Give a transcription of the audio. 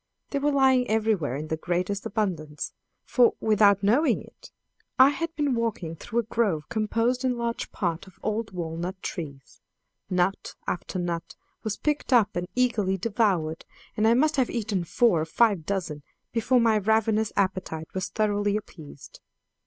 They were lying everywhere in the greatest abundance; for, without knowing it, I had been walking through a grove composed in large part of old walnut trees. Nut after nut was picked up and eagerly devoured, and I must have eaten four or five dozen before my ravenous appetite was thoroughly appeased.